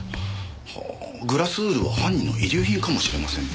はあグラスウールは犯人の遺留品かもしれませんね。